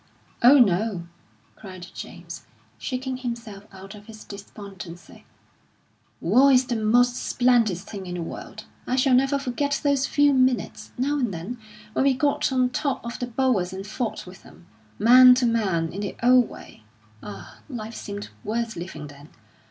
"Oh, no!" cried James, shaking himself out of his despondency. "War is the most splendid thing in the world. I shall never forget those few minutes, now and then, when we got on top of the Boers and fought with them, man to man, in the old way. Ah, life seemed worth living then!